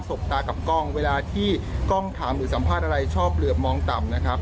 บตากับกล้องเวลาที่กล้องถามหรือสัมภาษณ์อะไรชอบเหลือบมองต่ำนะครับ